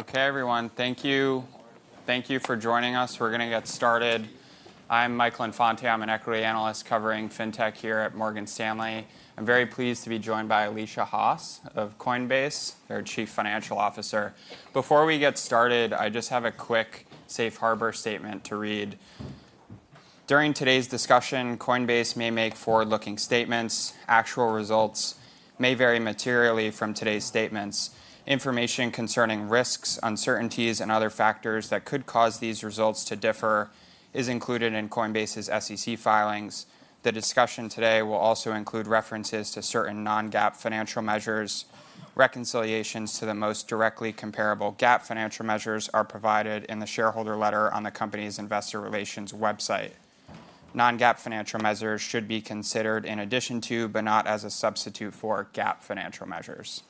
Okay, everyone, thank you. Thank you for joining us. We're going to get started. I'm Michael Infante. I'm an equity analyst covering fintech here at Morgan Stanley. I'm very pleased to be joined by Alesia Haas of Coinbase, their Chief Financial Officer. Before we get started, I just have a quick safe harbor statement to read. During today's discussion, Coinbase may make forward-looking statements. Actual results may vary materially from today's statements. Information concerning risks, uncertainties, and other factors that could cause these results to differ is included in Coinbase's SEC filings. The discussion today will also include references to certain non-GAAP financial measures. Reconciliations to the most directly comparable GAAP financial measures are provided in the shareholder letter on the company's investor relations website. Non-GAAP financial measures should be considered in addition to, but not as a substitute for GAAP financial measures.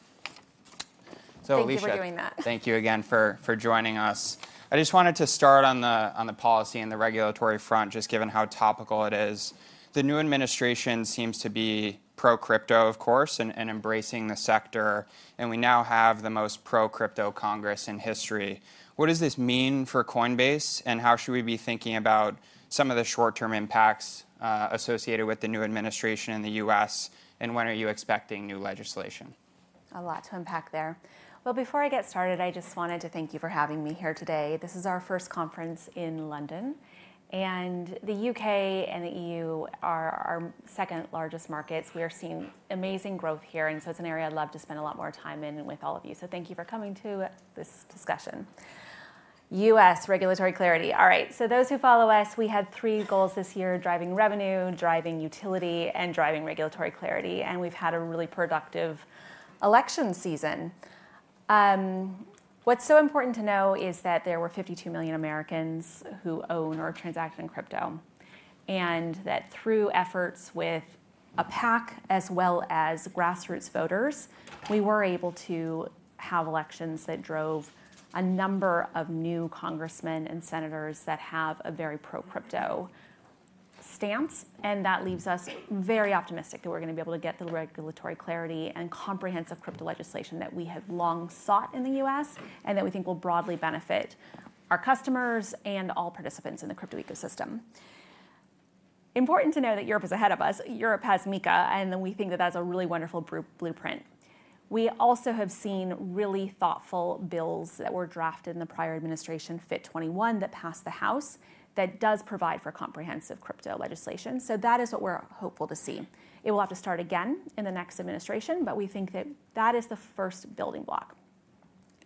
So, Alesia. Thank you for doing that. Thank you again for joining us. I just wanted to start on the policy and the regulatory front, just given how topical it is. The new administration seems to be pro-crypto, of course, and embracing the sector, and we now have the most pro-crypto Congress in history. What does this mean for Coinbase, and how should we be thinking about some of the short-term impacts associated with the new administration in the U.S., and when are you expecting new legislation? A lot to unpack there. Well, before I get started, I just wanted to thank you for having me here today. This is our first conference in London. And the U.K. and the E.U. are our second largest markets. We are seeing amazing growth here. And so it's an area I'd love to spend a lot more time in with all of you. So thank you for coming to this discussion. U.S. regulatory clarity. All right, so those who follow us, we had three goals this year: driving revenue, driving utility, and driving regulatory clarity. And we've had a really productive election season. What's so important to know is that there were 52 million Americans who own or transact in crypto. That through efforts with our PAC, as well as grassroots voters, we were able to have elections that drove a number of new congressmen and senators that have a very pro-crypto stance. That leaves us very optimistic that we're going to be able to get the regulatory clarity and comprehensive crypto legislation that we have long sought in the U.S. and that we think will broadly benefit our customers and all participants in the crypto ecosystem. Important to know that Europe is ahead of us. Europe has MiCA. We think that that's a really wonderful blueprint. We also have seen really thoughtful bills that were drafted in the prior administration, FIT21, that passed the House that does provide for comprehensive crypto legislation. That is what we're hopeful to see. It will have to start again in the next administration. But we think that that is the first building block.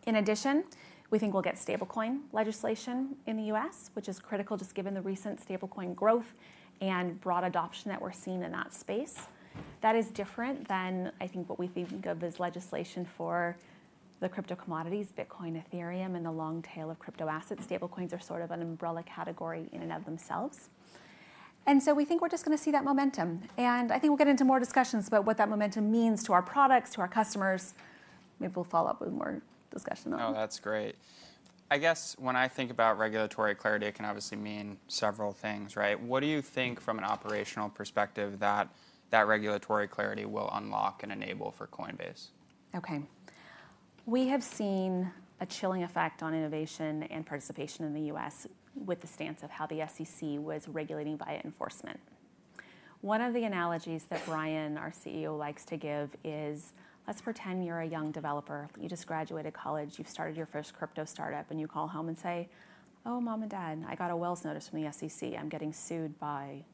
In addition, we think we'll get stablecoin legislation in the U.S., which is critical just given the recent stablecoin growth and broad adoption that we're seeing in that space. That is different than, I think, what we think of as legislation for the crypto commodities, Bitcoin, Ethereum, and the long tail of crypto assets. Stablecoins are sort of an umbrella category in and of themselves. And so we think we're just going to see that momentum. And I think we'll get into more discussions about what that momentum means to our products, to our customers. Maybe we'll follow up with more discussion on that. Oh, that's great. I guess when I think about regulatory clarity, it can obviously mean several things, right? What do you think from an operational perspective that that regulatory clarity will unlock and enable for Coinbase? Okay. We have seen a chilling effect on innovation and participation in the U.S. with the stance of how the SEC was regulating by enforcement. One of the analogies that Brian, our CEO, likes to give is, let's pretend you're a young developer. You just graduated college. You've started your first crypto startup. And you call home and say, oh, mom and dad, I got a Wells notice from the SEC. I'm getting sued by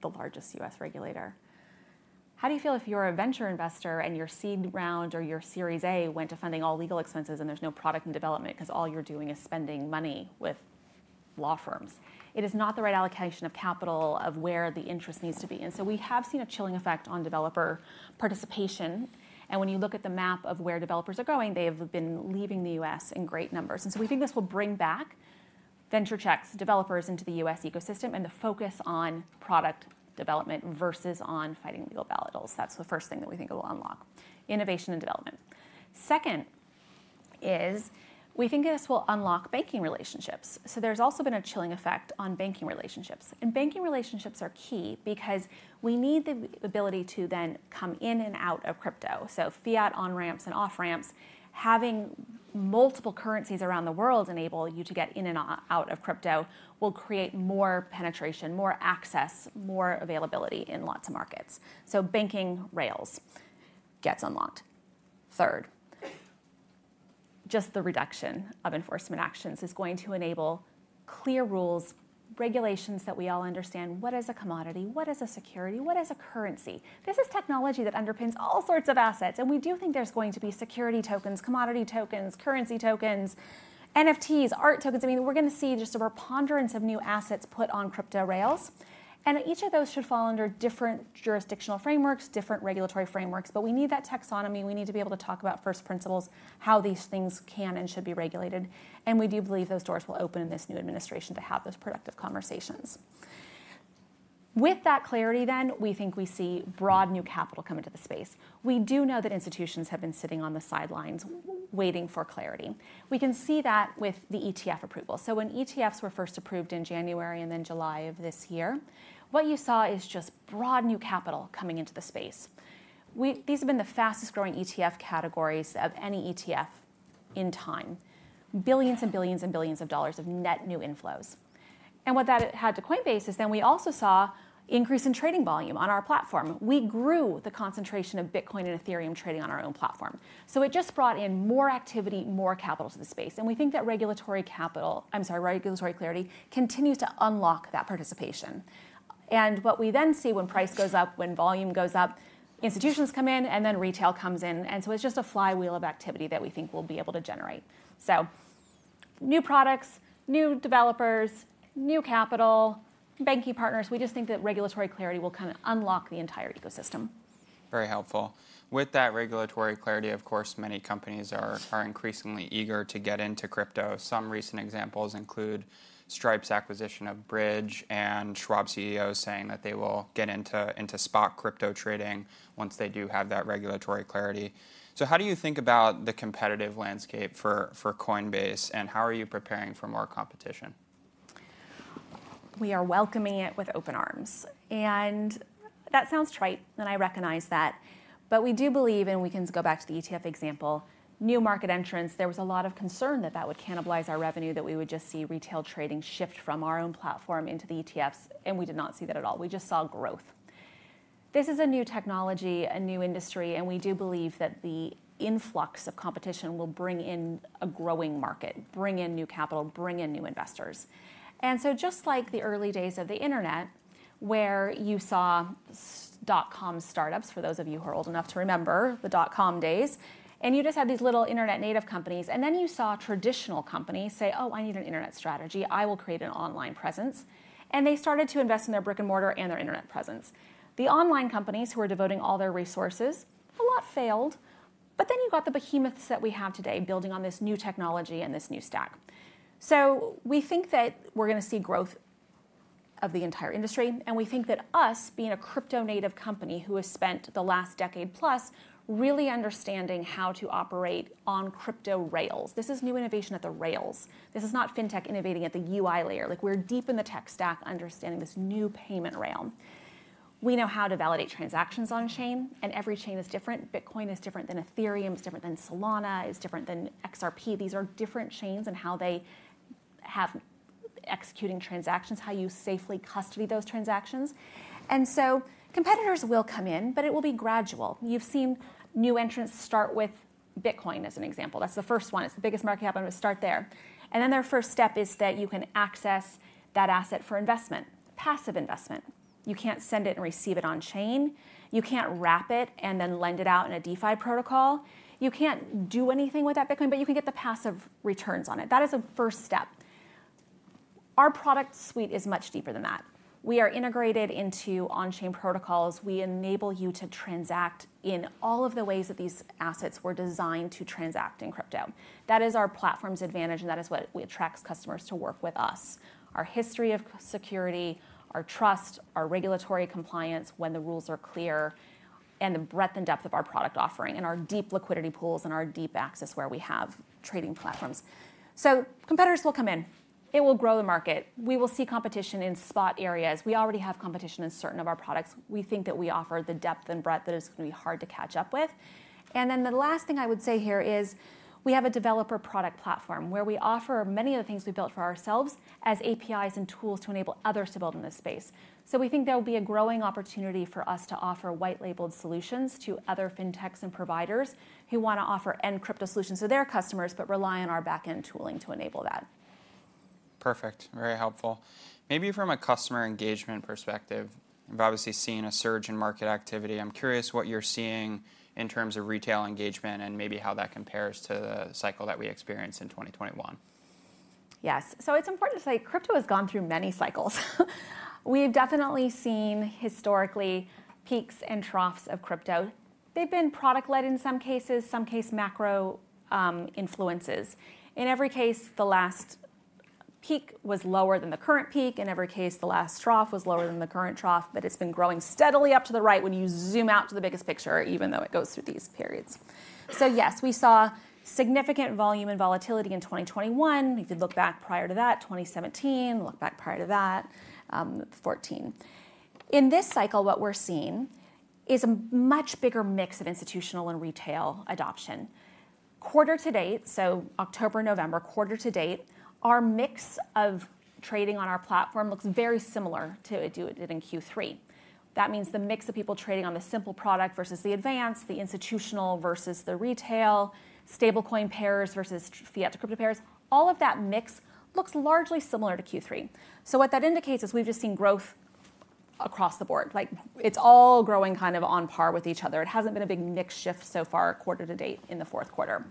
the largest U.S. regulator. How do you feel if you're a venture investor and your seed round or your Series A went to funding all legal expenses and there's no product and development because all you're doing is spending money with law firms? It is not the right allocation of capital of where the interest needs to be. And so we have seen a chilling effect on developer participation. And when you look at the map of where developers are going, they have been leaving the U.S. in great numbers. And so we think this will bring back venture checks, developers into the U.S. ecosystem and the focus on product development versus on fighting legal battles. That's the first thing that we think it will unlock: innovation and development. Second is, we think this will unlock banking relationships. So there's also been a chilling effect on banking relationships. And banking relationships are key because we need the ability to then come in and out of crypto. So fiat on-ramps and off-ramps, having multiple currencies around the world enable you to get in and out of crypto will create more penetration, more access, more availability in lots of markets. So banking rails gets unlocked. Third, just the reduction of enforcement actions is going to enable clear rules, regulations that we all understand. What is a commodity? What is a security? What is a currency? This is technology that underpins all sorts of assets, and we do think there's going to be security tokens, commodity tokens, currency tokens, NFTs, art tokens. I mean, we're going to see just a preponderance of new assets put on crypto rails. And each of those should fall under different jurisdictional frameworks, different regulatory frameworks, but we need that taxonomy. We need to be able to talk about first principles, how these things can and should be regulated. And we do believe those doors will open in this new administration to have those productive conversations. With that clarity, then, we think we see broad new capital come into the space. We do know that institutions have been sitting on the sidelines waiting for clarity. We can see that with the ETF approval. When ETFs were first approved in January and then July of this year, what you saw is just broad new capital coming into the space. These have been the fastest growing ETF categories of any ETF in time. Billions and billions and billions of dollars of net new inflows. What that had to Coinbase is then we also saw increase in trading volume on our platform. We grew the concentration of Bitcoin and Ethereum trading on our own platform. It just brought in more activity, more capital to the space. We think that regulatory capital, I'm sorry, regulatory clarity continues to unlock that participation. And what we then see when price goes up, when volume goes up, institutions come in and then retail comes in. And so it's just a flywheel of activity that we think we'll be able to generate. So new products, new developers, new capital, banking partners. We just think that regulatory clarity will kind of unlock the entire ecosystem. Very helpful. With that regulatory clarity, of course, many companies are increasingly eager to get into crypto. Some recent examples include Stripe's acquisition of Bridge and Charles Schwab CEO's saying that they will get into spot crypto trading once they do have that regulatory clarity. So how do you think about the competitive landscape for Coinbase and how are you preparing for more competition? We are welcoming it with open arms, and that sounds trite. I recognize that, but we do believe, and we can go back to the ETF example, new market entrance. There was a lot of concern that that would cannibalize our revenue, that we would just see retail trading shift from our own platform into the ETFs, and we did not see that at all. We just saw growth. This is a new technology, a new industry, and we do believe that the influx of competition will bring in a growing market, bring in new capital, bring in new investors, and so just like the early days of the internet, where you saw dot-com startups, for those of you who are old enough to remember the dot-com days, and you just had these little internet native companies. And then you saw traditional companies say, oh, I need an internet strategy. I will create an online presence. And they started to invest in their brick and mortar and their internet presence. The online companies who were devoting all their resources, a lot failed. But then you got the behemoths that we have today building on this new technology and this new stack. So we think that we're going to see growth of the entire industry. And we think that us being a crypto native company who has spent the last decade plus really understanding how to operate on crypto rails, this is new innovation at the rails. This is not fintech innovating at the UI layer. Like we're deep in the tech stack understanding this new payment rail. We know how to validate transactions on chain. And every chain is different. Bitcoin is different than Ethereum. It's different than Solana. It's different than XRP. These are different chains and how they have executing transactions, how you safely custody those transactions. And so competitors will come in, but it will be gradual. You've seen new entrants start with Bitcoin as an example. That's the first one. It's the biggest market cap. I'm going to start there. And then their first step is that you can access that asset for investment, passive investment. You can't send it and receive it on chain. You can't wrap it and then lend it out in a DeFi protocol. You can't do anything with that Bitcoin, but you can get the passive returns on it. That is a first step. Our product suite is much deeper than that. We are integrated into on-chain protocols. We enable you to transact in all of the ways that these assets were designed to transact in crypto. That is our platform's advantage. And that is what attracts customers to work with us: our history of security, our trust, our regulatory compliance when the rules are clear, and the breadth and depth of our product offering and our deep liquidity pools and our deep access where we have trading platforms. So competitors will come in. It will grow the market. We will see competition in spot areas. We already have competition in certain of our products. We think that we offer the depth and breadth that is going to be hard to catch up with. And then the last thing I would say here is we have a developer product platform where we offer many of the things we built for ourselves as APIs and tools to enable others to build in this space. So we think there will be a growing opportunity for us to offer white-labeled solutions to other fintechs and providers who want to offer end crypto solutions to their customers, but rely on our back-end tooling to enable that. Perfect. Very helpful. Maybe from a customer engagement perspective, we've obviously seen a surge in market activity. I'm curious what you're seeing in terms of retail engagement and maybe how that compares to the cycle that we experienced in 2021? Yes. So it's important to say crypto has gone through many cycles. We have definitely seen historically peaks and troughs of crypto. They've been product-led in some cases, some case macro influences. In every case, the last peak was lower than the current peak. In every case, the last trough was lower than the current trough. But it's been growing steadily up to the right when you zoom out to the biggest picture, even though it goes through these periods. So yes, we saw significant volume and volatility in 2021. You could look back prior to that, 2017, look back prior to that, 2014. In this cycle, what we're seeing is a much bigger mix of institutional and retail adoption. Quarter to date, so October, November, quarter to date, our mix of trading on our platform looks very similar to it did in Q3. That means the mix of people trading on the simple product versus the Advanced, the institutional versus the retail, stablecoin pairs versus fiat to crypto pairs. All of that mix looks largely similar to Q3. So what that indicates is we've just seen growth across the board. Like it's all growing kind of on par with each other. It hasn't been a big mix shift so far quarter to date in the fourth quarter.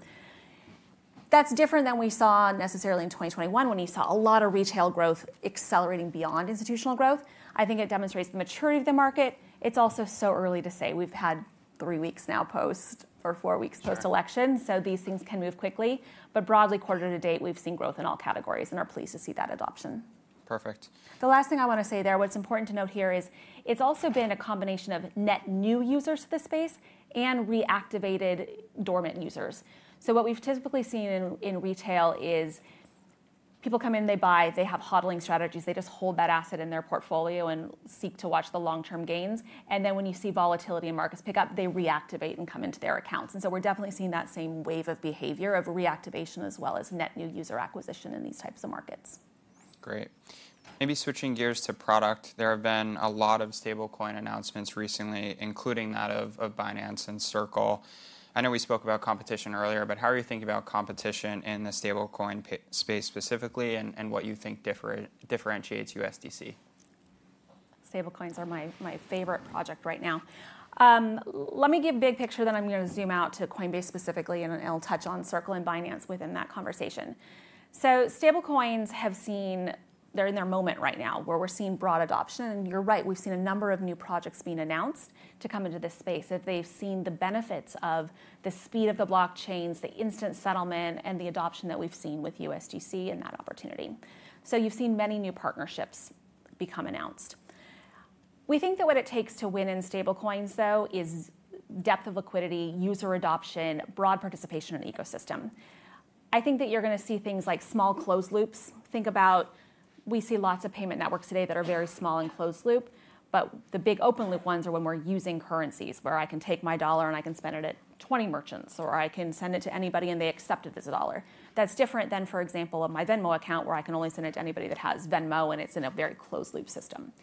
That's different than we saw necessarily in 2021 when you saw a lot of retail growth accelerating beyond institutional growth. I think it demonstrates the maturity of the market. It's also so early to say. We've had three weeks now post or four weeks post-election. So these things can move quickly. But broadly, quarter to date, we've seen growth in all categories and are pleased to see that adoption. Perfect. The last thing I want to say there, what's important to note here is it's also been a combination of net new users to the space and reactivated dormant users. So what we've typically seen in retail is people come in, they buy, they have hodling strategies. They just hold that asset in their portfolio and seek to watch the long-term gains. And then when you see volatility in markets pick up, they reactivate and come into their accounts. And so we're definitely seeing that same wave of behavior of reactivation as well as net new user acquisition in these types of markets. Great. Maybe switching gears to product. There have been a lot of stablecoin announcements recently, including that of Binance and Circle. I know we spoke about competition earlier, but how are you thinking about competition in the stablecoin space specifically and what you think differentiates USDC? Stablecoins are my favorite project right now. Let me give a big picture, then I'm going to zoom in to Coinbase specifically, and I'll touch on Circle and Binance within that conversation. So, stablecoins, they're in their moment right now, where we're seeing broad adoption, and you're right. We've seen a number of new projects being announced to come into this space. They've seen the benefits of the speed of the blockchains, the instant settlement, and the adoption that we've seen with USDC and that opportunity, so you've seen many new partnerships become announced. We think that what it takes to win in stablecoins, though, is depth of liquidity, user adoption, broad participation in the ecosystem. I think that you're going to see things like small closed loops. Think about. We see lots of payment networks today that are very small and closed loop. But the big open loop ones are when we're using currencies where I can take my dollar and I can spend it at 20 merchants or I can send it to anybody and they accept it as a dollar. That's different than, for example, my Venmo account where I can only send it to anybody that has Venmo and it's in a very closed loop system.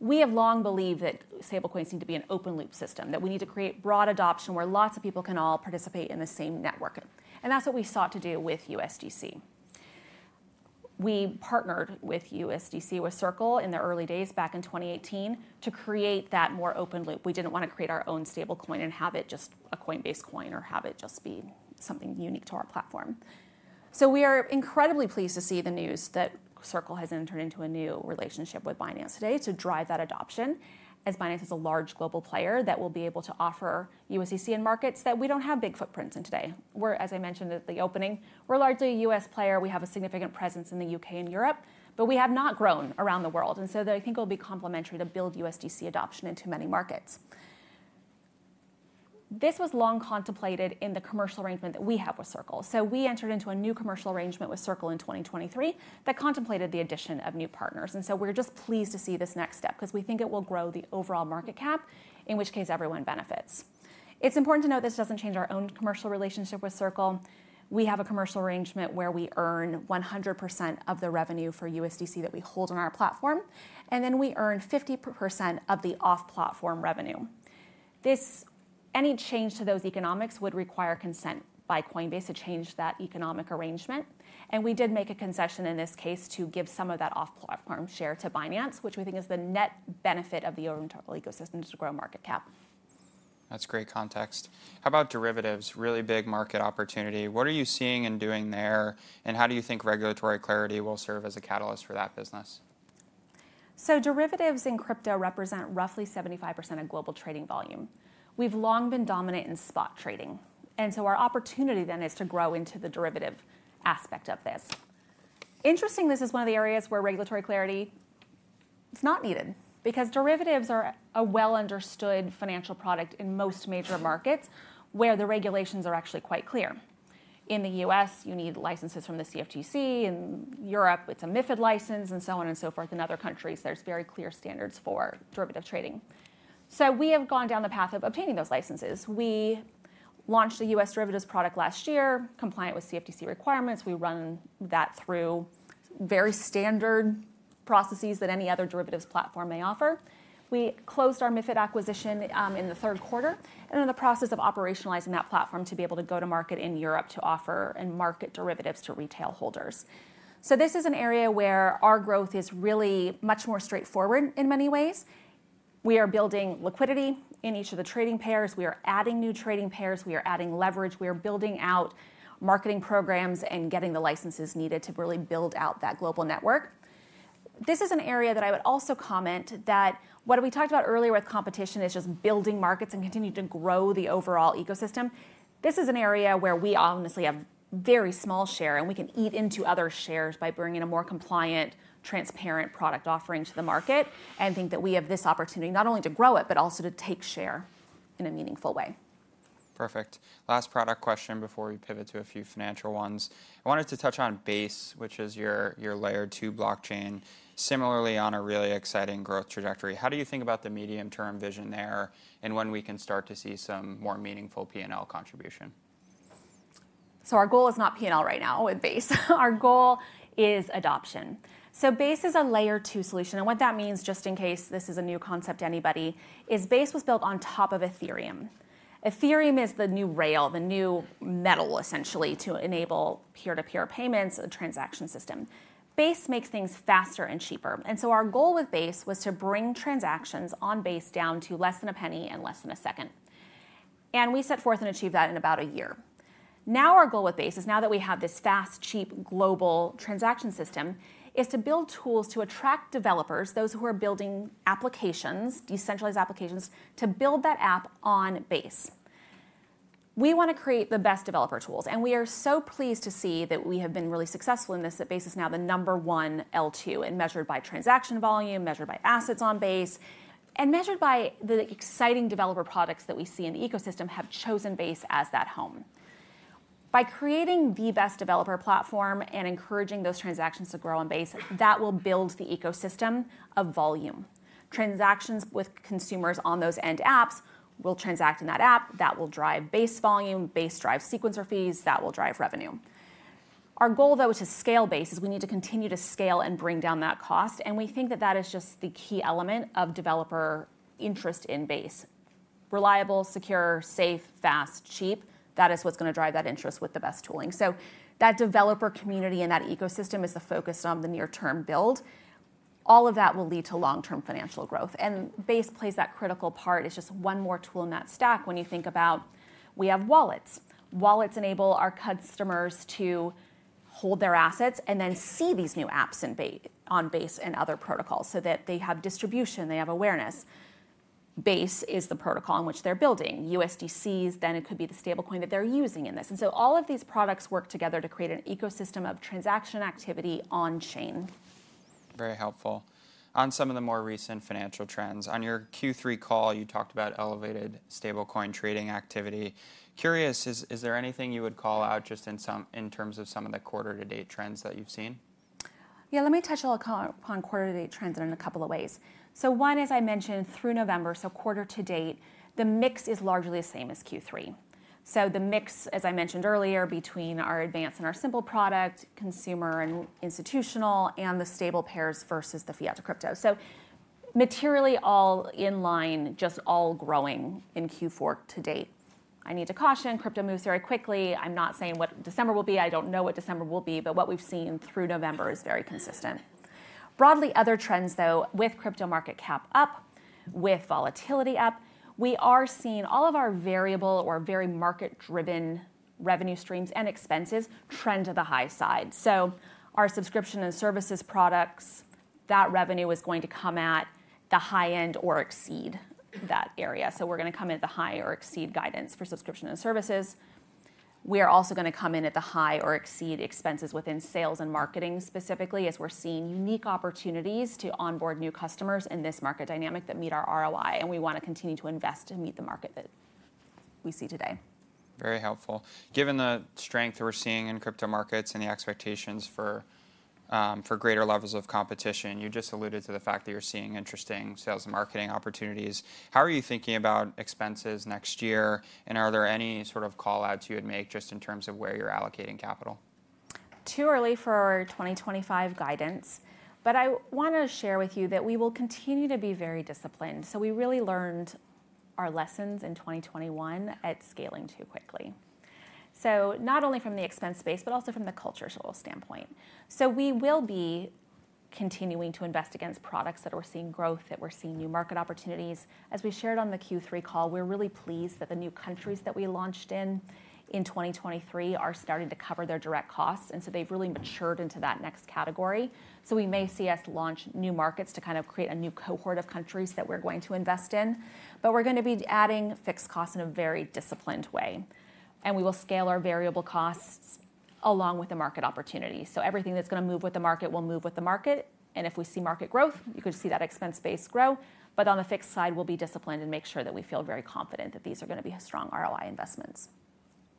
We have long believed that stablecoins need to be an open loop system, that we need to create broad adoption where lots of people can all participate in the same network. And that's what we sought to do with USDC. We partnered with USDC with Circle in the early days back in 2018 to create that more open loop. We didn't want to create our own stablecoin and have it just a Coinbase coin or have it just be something unique to our platform. We are incredibly pleased to see the news that Circle has entered into a new relationship with Binance today to drive that adoption as Binance is a large global player that will be able to offer USDC in markets that we don't have big footprints in today. We're, as I mentioned at the opening, we're largely a U.S. player. We have a significant presence in the U.K. and Europe, but we have not grown around the world. And so I think it will be complementary to build USDC adoption into many markets. This was long contemplated in the commercial arrangement that we have with Circle. So we entered into a new commercial arrangement with Circle in 2023 that contemplated the addition of new partners. And so we're just pleased to see this next step because we think it will grow the overall market cap, in which case everyone benefits. It's important to note this doesn't change our own commercial relationship with Circle. We have a commercial arrangement where we earn 100% of the revenue for USDC that we hold on our platform, and then we earn 50% of the off-platform revenue. Any change to those economics would require consent by Coinbase to change that economic arrangement, and we did make a concession in this case to give some of that off-platform share to Binance, which we think is the net benefit of the overall ecosystem to grow market cap. That's great context. How about derivatives? Really big market opportunity. What are you seeing and doing there, and how do you think regulatory clarity will serve as a catalyst for that business? Derivatives in crypto represent roughly 75% of global trading volume. We've long been dominant in spot trading. And so our opportunity then is to grow into the derivative aspect of this. Interesting, this is one of the areas where regulatory clarity is not needed because derivatives are a well-understood financial product in most major markets where the regulations are actually quite clear. In the U.S., you need licenses from the CFTC. In Europe, it's a MiFID license and so on and so forth. In other countries, there's very clear standards for derivative trading. So we have gone down the path of obtaining those licenses. We launched the U.S. derivatives product last year, compliant with CFTC requirements. We run that through very standard processes that any other derivatives platform may offer. We closed our MiFID acquisition in the third quarter and are in the process of operationalizing that platform to be able to go to market in Europe to offer and market derivatives to retail holders. So this is an area where our growth is really much more straightforward in many ways. We are building liquidity in each of the trading pairs. We are adding new trading pairs. We are adding leverage. We are building out marketing programs and getting the licenses needed to really build out that global network. This is an area that I would also comment that what we talked about earlier with competition is just building markets and continuing to grow the overall ecosystem. This is an area where we obviously have a very small share and we can eat into other shares by bringing a more compliant, transparent product offering to the market and think that we have this opportunity not only to grow it, but also to take share in a meaningful way. Perfect. Last product question before we pivot to a few financial ones. I wanted to touch on Base, which is your Layer 2 blockchain. Similarly, on a really exciting growth trajectory, how do you think about the medium-term vision there and when we can start to see some more meaningful P&L contribution? So our goal is not P&L right now with Base. Our goal is adoption. So Base is a Layer 2 solution. And what that means, just in case this is a new concept to anybody, is Base was built on top of Ethereum. Ethereum is the new rail, the new metal essentially to enable peer-to-peer payments and transaction system. Base makes things faster and cheaper. And so our goal with Base was to bring transactions on Base down to less than a penny and less than a second. And we set forth and achieved that in about a year. Now our goal with Base is now that we have this fast, cheap global transaction system, is to build tools to attract developers, those who are building applications, decentralized applications, to build that app on Base. We want to create the best developer tools. We are so pleased to see that we have been really successful in this, that Base is now the number one L2 measured by transaction volume, measured by assets on Base, and measured by the exciting developer products that we see in the ecosystem have chosen Base as that home. By creating the best developer platform and encouraging those transactions to grow on Base, that will build the ecosystem of volume. Transactions with consumers on those end apps will transact in that app. That will drive Base volume. Base drives sequencer fees. That will drive revenue. Our goal, though, to scale Base is we need to continue to scale and bring down that cost. We think that that is just the key element of developer interest in Base. Reliable, secure, safe, fast, cheap. That is what's going to drive that interest with the best tooling. So that developer community and that ecosystem is the focus on the near-term build. All of that will lead to long-term financial growth, and Base plays that critical part. It's just one more tool in that stack when you think about we have wallets. Wallets enable our customers to hold their assets and then see these new apps on Base and other protocols so that they have distribution. They have awareness. Base is the protocol in which they're building. USDC, then it could be the stablecoin that they're using in this, and so all of these products work together to create an ecosystem of transaction activity on-chain. Very helpful. On some of the more recent financial trends, on your Q3 call, you talked about elevated stablecoin trading activity. Curious, is there anything you would call out just in terms of some of the quarter-to-date trends that you've seen? Yeah, let me touch on quarter-to-date trends in a couple of ways. So one, as I mentioned, through November, so quarter to date, the mix is largely the same as Q3. So the mix, as I mentioned earlier, between our Advanced and our simple product, consumer and institutional, and the stable pairs versus the fiat to crypto. So materially all in line, just all growing in Q4 to date. I need to caution, crypto moves very quickly. I'm not saying what December will be. I don't know what December will be, but what we've seen through November is very consistent. Broadly, other trends, though, with crypto market cap up, with volatility up, we are seeing all of our variable or very market-driven revenue streams and expenses trend to the high side. subscription and services products, that revenue is going to come at the high end or exceed that area. So we're going to come into the high or exceed subscription and services. We are also going to come in at the high or exceed sales and marketing specifically as we're seeing unique opportunities to onboard new customers in this market dynamic that meet our ROI. And we want to continue to invest to meet the market that we see today. Very helpful. Given the strength we're seeing in crypto markets and the expectations for greater levels of competition, you just alluded to the fact that you're sales and marketing opportunities. How are you thinking about expenses next year? And are there any sort of callouts you would make just in terms of where you're allocating capital? too early for our 2025 guidance, but I want to share with you that we will continue to be very disciplined. So we really learned our lessons in 2021 at scaling too quickly. So not only from the expense space, but also from the culture standpoint. So we will be continuing to invest against products that are seeing growth, that we're seeing new market opportunities. As we shared on the Q3 call, we're really pleased that the new countries that we launched in 2023 are starting to cover their direct costs. And so they've really matured into that next category. So we may see us launch new markets to kind of create a new cohort of countries that we're going to invest in. But we're going to be adding fixed costs in a very disciplined way. And we will scale our variable costs along with the market opportunity. Everything that's going to move with the market will move with the market. If we see market growth, you could see that expense base grow. On the fixed side, we'll be disciplined and make sure that we feel very confident that these are going to be strong ROI investments.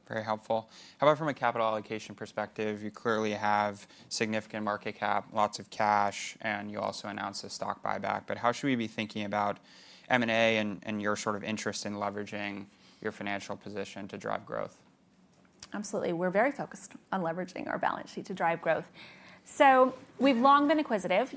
Very helpful. How about from a capital allocation perspective? You clearly have significant market cap, lots of cash, and you also announced a stock buyback. But how should we be thinking about M&A and your sort of interest in leveraging your financial position to drive growth? Absolutely. We're very focused on leveraging our balance sheet to drive growth. So we've long been acquisitive.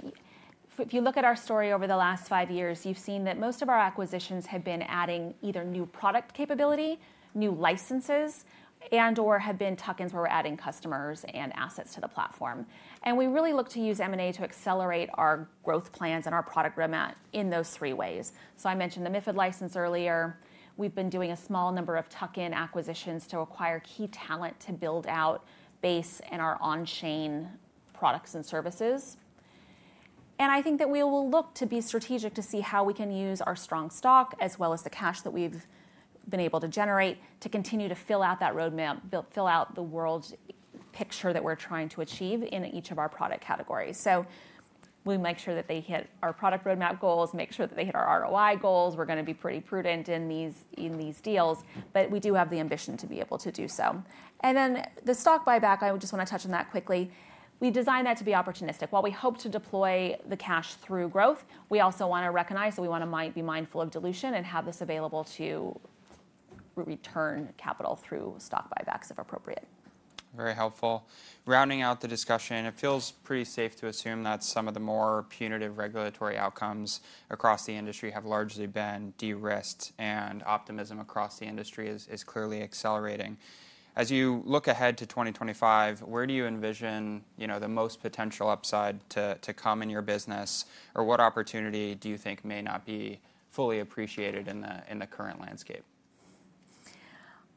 If you look at our story over the last five years, you've seen that most of our acquisitions have been adding either new product capability, new licenses, and/or have been tuck-ins where we're adding customers and assets to the platform. And we really look to use M&A to accelerate our growth plans and our product roadmap in those three ways. So I mentioned the MiFID license earlier. We've been doing a small number of tuck-in acquisitions to acquire key talent to build out Base and our on-chain products and services. I think that we will look to be strategic to see how we can use our strong stock as well as the cash that we've been able to generate to continue to fill out that roadmap, fill out the world picture that we're trying to achieve in each of our product categories. We make sure that they hit our product roadmap goals, make sure that they hit our ROI goals. We're going to be pretty prudent in these deals, but we do have the ambition to be able to do so. Then the stock buyback, I just want to touch on that quickly. We designed that to be opportunistic. While we hope to deploy the cash through growth, we also want to recognize that we want to be mindful of dilution and have this available to return capital through stock buybacks if appropriate. Very helpful. Rounding out the discussion, it feels pretty safe to assume that some of the more punitive regulatory outcomes across the industry have largely been de-risked and optimism across the industry is clearly accelerating. As you look ahead to 2025, where do you envision the most potential upside to come in your business, or what opportunity do you think may not be fully appreciated in the current landscape?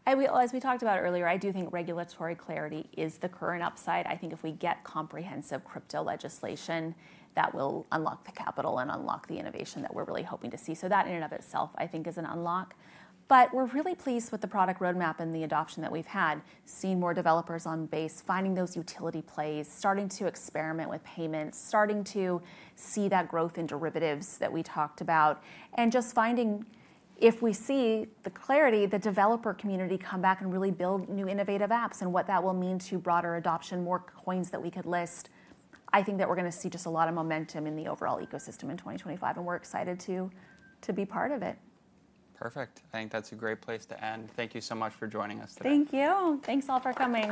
As we talked about earlier, I do think regulatory clarity is the current upside. I think if we get comprehensive crypto legislation, that will unlock the capital and unlock the innovation that we're really hoping to see. So that in and of itself, I think, is an unlock. But we're really pleased with the product roadmap and the adoption that we've had, seeing more developers on Base, finding those utility plays, starting to experiment with payments, starting to see that growth in derivatives that we talked about, and just finding if we see the clarity, the developer community come back and really build new innovative apps and what that will mean to broader adoption, more coins that we could list. I think that we're going to see just a lot of momentum in the overall ecosystem in 2025, and we're excited to be part of it. Perfect. I think that's a great place to end. Thank you so much for joining us today. Thank you. Thanks all for coming.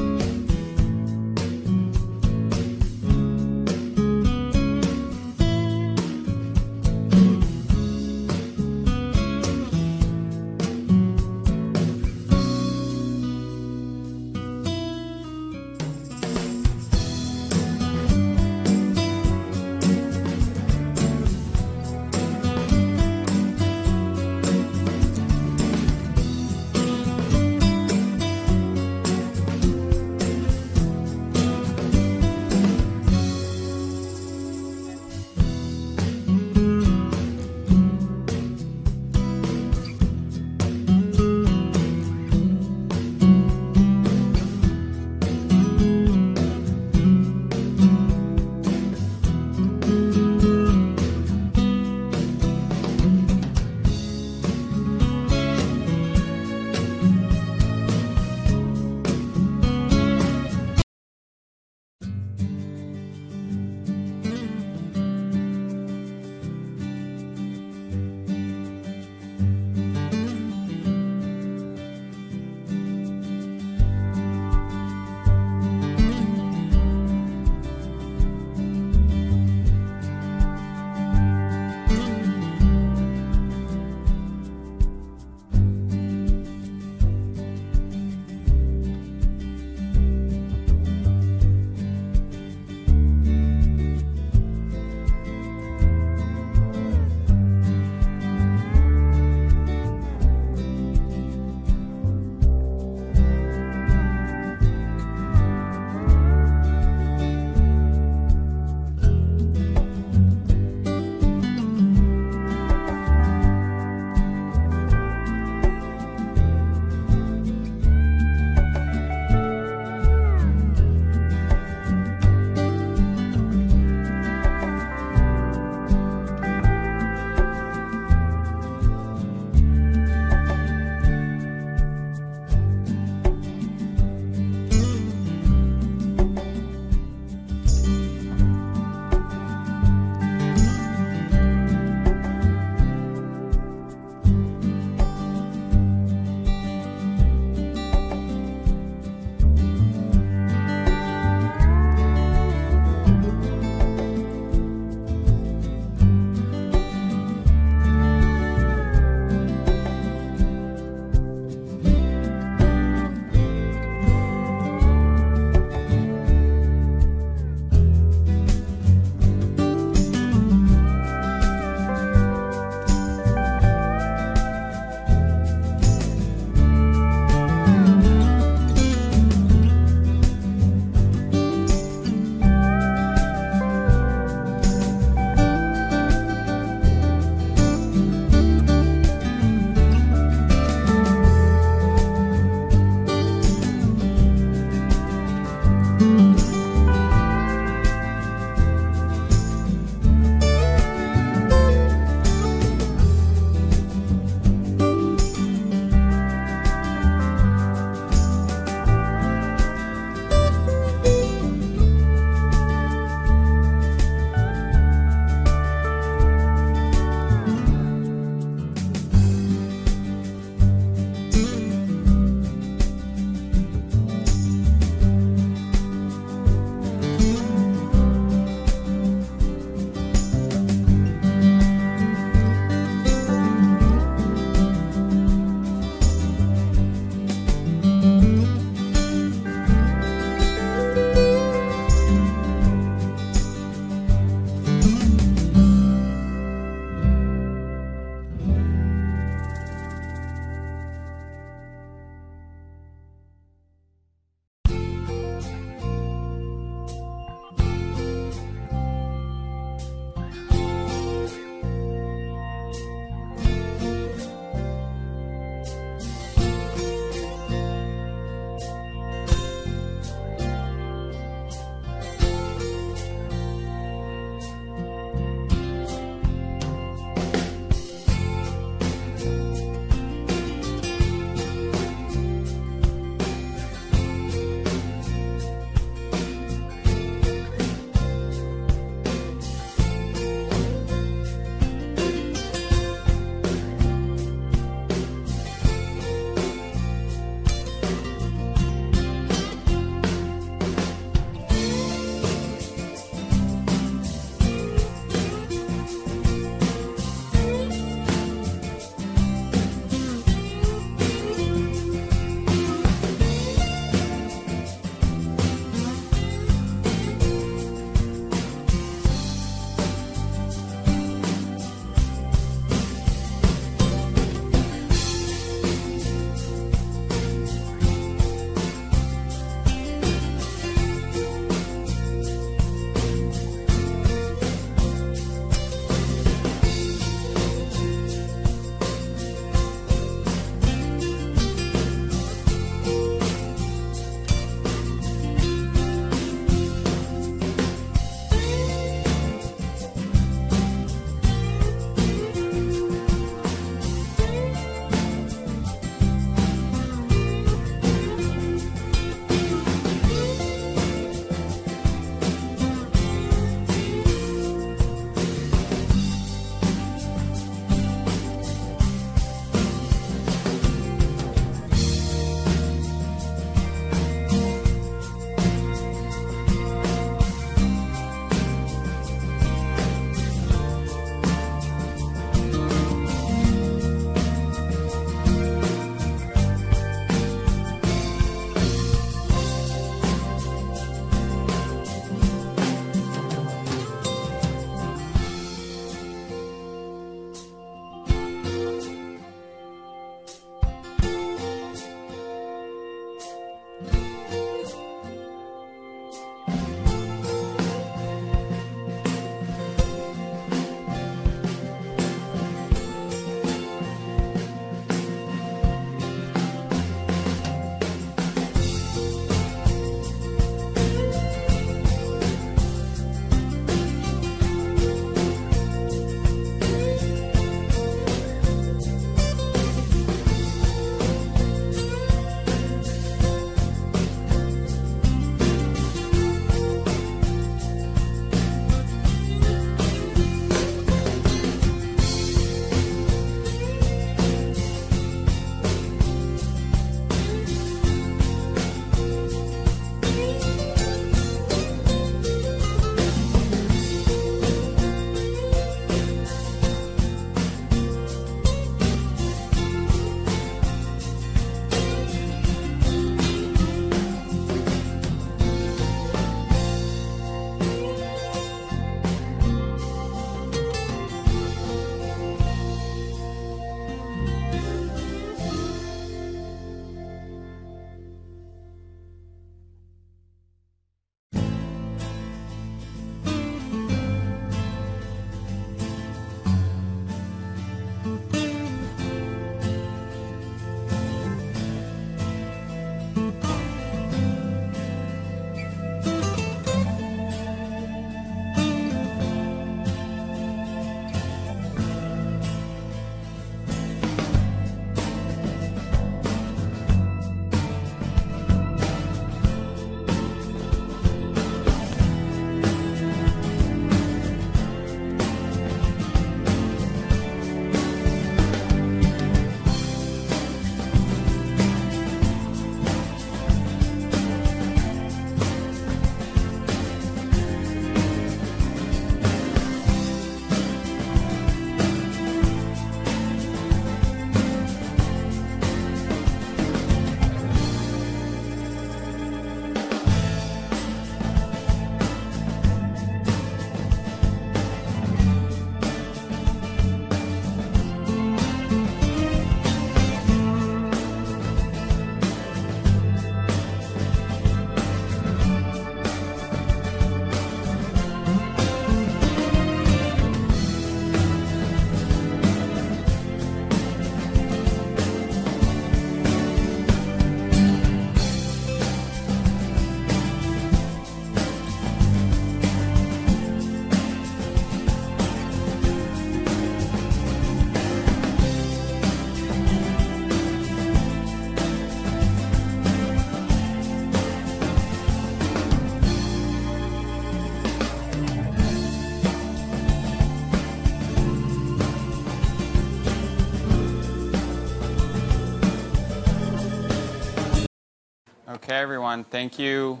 Okay, everyone, thank you.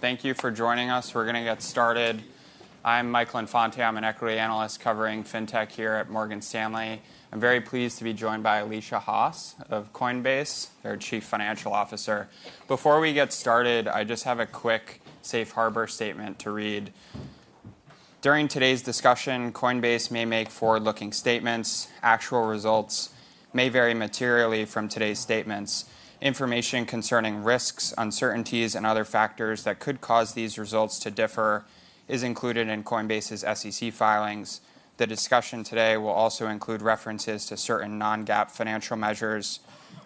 Thank you for joining us. We're going to get started. I'm Michael Infante. I'm an equity analyst covering fintech here at Morgan Stanley. I'm very pleased to be joined by Alesia Haas of Coinbase, their Chief Financial Officer. Before we get started, I just have a quick safe harbor statement to read. During today's discussion, Coinbase may make forward-looking statements. Actual results may vary materially from today's statements. Information concerning risks, uncertainties, and other factors that could cause these results to differ is included in Coinbase's SEC filings. The discussion today will also include references to certain non-GAAP financial measures.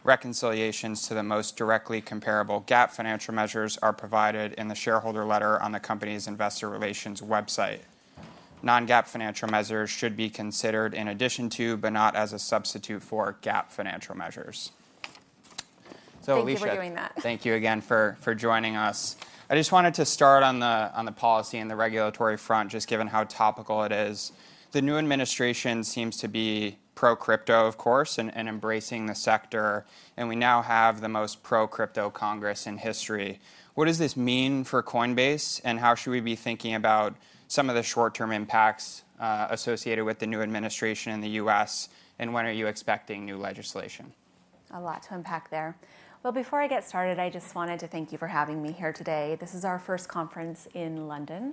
Reconciliations to the most directly comparable GAAP financial measures are provided in the shareholder letter on the company's investor relations website. Non-GAAP financial measures should be considered in addition to, but not as a substitute for GAAP financial measures. So, Alesia. Thank you for doing that. Thank you again for joining us. I just wanted to start on the policy and the regulatory front, just given how topical it is. The new administration seems to be pro-crypto, of course, and embracing the sector. And we now have the most pro-crypto Congress in history. What does this mean for Coinbase, and how should we be thinking about some of the short-term impacts associated with the new administration in the U.S., and when are you expecting new legislation? A lot to unpack there. Before I get started, I just wanted to thank you for having me here today. This is our first conference in London,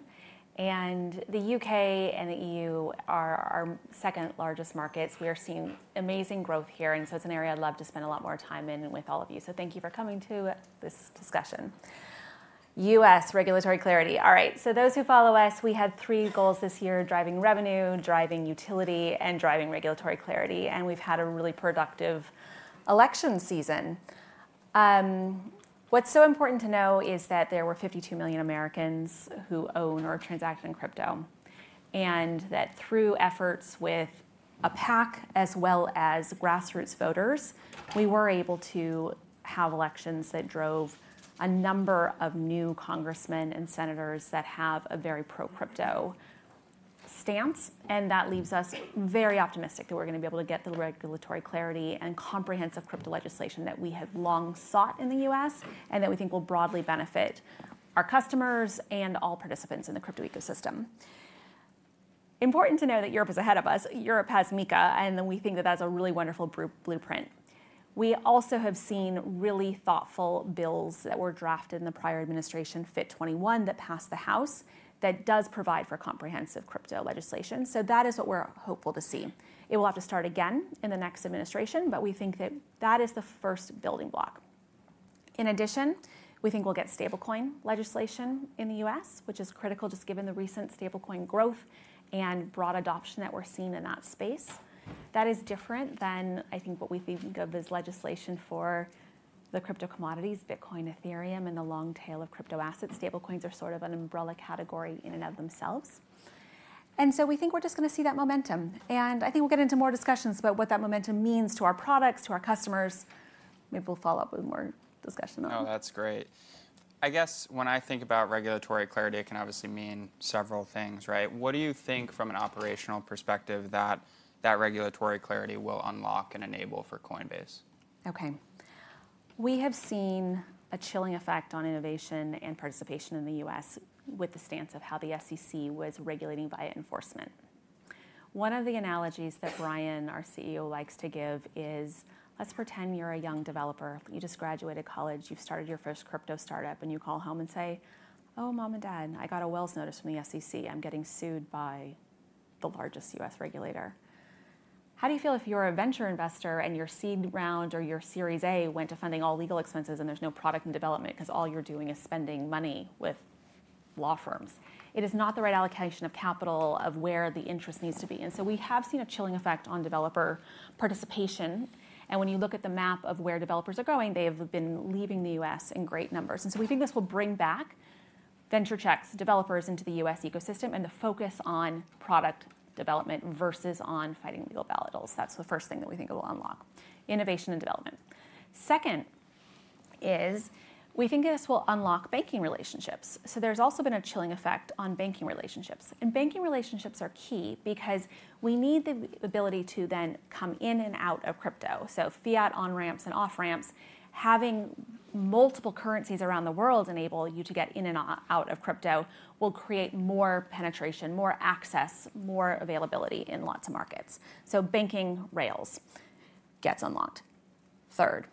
and the U.K. and the E.U. are our second largest markets. We are seeing amazing growth here, and so it's an area I'd love to spend a lot more time in with all of you. Thank you for coming to this discussion. U.S. regulatory clarity. All right, so those who follow us, we had three goals this year: driving revenue, driving utility, and driving regulatory clarity. We've had a really productive election season. What's so important to know is that there were 52 million Americans who own or transact in crypto, and that through efforts with our PAC as well as grassroots voters, we were able to have elections that drove a number of new congressmen and senators that have a very pro-crypto stance. And that leaves us very optimistic that we're going to be able to get the regulatory clarity and comprehensive crypto legislation that we have long sought in the U.S. and that we think will broadly benefit our customers and all participants in the crypto ecosystem. Important to know that Europe is ahead of us. Europe has MiCA, and we think that that's a really wonderful blueprint. We also have seen really thoughtful bills that were drafted in the prior administration, FIT21, that passed the House that does provide for comprehensive crypto legislation. So that is what we're hopeful to see. It will have to start again in the next administration, but we think that that is the first building block. In addition, we think we'll get stablecoin legislation in the U.S., which is critical just given the recent stablecoin growth and broad adoption that we're seeing in that space. That is different than I think what we think of as legislation for the crypto commodities, Bitcoin, Ethereum, and the long tail of crypto assets. Stablecoins are sort of an umbrella category in and of themselves. And so we think we're just going to see that momentum. And I think we'll get into more discussions about what that momentum means to our products, to our customers. Maybe we'll follow up with more discussion on that. Oh, that's great. I guess when I think about regulatory clarity, it can obviously mean several things, right? What do you think from an operational perspective that that regulatory clarity will unlock and enable for Coinbase? Okay. We have seen a chilling effect on innovation and participation in the U.S. with the stance of how the SEC was regulating via enforcement. One of the analogies that Brian, our CEO, likes to give is, let's pretend you're a young developer. You just graduated college, you've started your first crypto startup, and you call home and say, "Oh, mom and dad, I got a Wells notice from the SEC. I'm getting sued by the largest U.S. regulator." How do you feel if you're a venture investor and your seed round or your Series A went to funding all legal expenses and there's no product in development because all you're doing is spending money with law firms? It is not the right allocation of capital of where the interest needs to be. And so we have seen a chilling effect on developer participation. When you look at the map of where developers are going, they have been leaving the U.S. in great numbers. We think this will bring back venture checks, developers into the U.S. ecosystem and the focus on product development versus on fighting legal battles. That's the first thing that we think it will unlock: innovation and development. Second is, we think this will unlock banking relationships. There's also been a chilling effect on banking relationships. Banking relationships are key because we need the ability to then come in and out of crypto. Fiat on-ramps and off-ramps, having multiple currencies around the world enable you to get in and out of crypto will create more penetration, more access, more availability in lots of markets. Banking rails gets unlocked. Third,